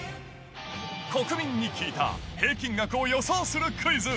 国民に聞いた平均額を予想するクイズ。